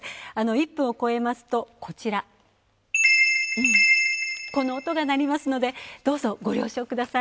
１分を超えますと、音が鳴りますのでどうぞご了承ください。